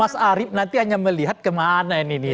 mas arief nanti hanya melihat kemana ini nih